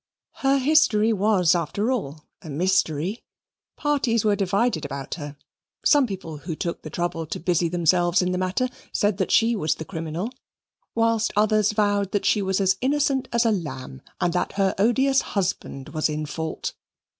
Her history was after all a mystery. Parties were divided about her. Some people who took the trouble to busy themselves in the matter said that she was the criminal, whilst others vowed that she was as innocent as a lamb and that her odious husband was in fault.